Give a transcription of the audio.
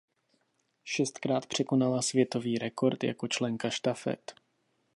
Šestkrát překonala světový rekord jako členka štafet.